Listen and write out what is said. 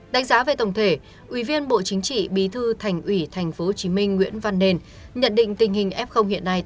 đánh giá về tổng thể ủy viên bộ chính trị bí thư thành ủy tp hcm nguyễn văn nền nhận định tình hình f hiện nay